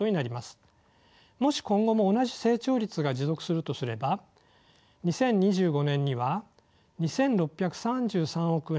もし今後も同じ成長率が持続するとすれば２０２５年には２，６３３億円